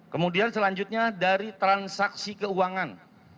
kemudian selanjutnya dari transaksi keuangan